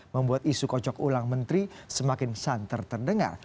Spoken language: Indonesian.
membuat isu kocok ulang menteri semakin santer terdengar